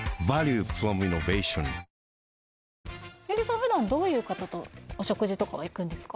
普段どういう方とお食事とかは行くんですか？